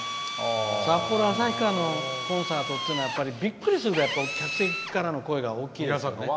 札幌、旭川のコンサートっていうのはびっくりするくらい客席からの声が大きいですね。